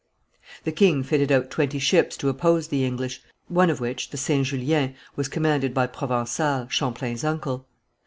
The king fitted out twenty ships to oppose the English, one of which, the Saint Julien, was commanded by Provençal, Champlain's uncle.